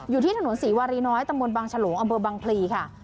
อยู่ที่ถนนศรีวาริน้อยตำรวจบางชะโหลอำเบอร์บังพลีค่ะ